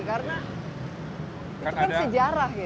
karena itu kan sejarah ya